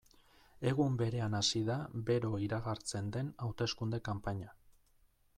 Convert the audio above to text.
Egun berean hasi da bero iragartzen den hauteskunde kanpaina.